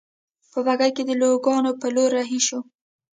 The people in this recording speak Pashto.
په بګۍ کې د لوکارنو په لور رهي شوو.